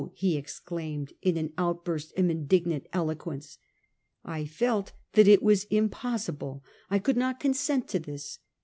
he exclaimed, in an outburst of indignant eloquence. ' I felt that it was impossible ; I could not consent to this.